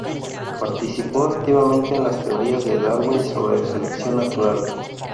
Participó activamente en las teorías de Darwin sobre selección natural.